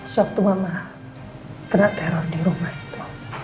sewaktu mama kena teror di rumah itu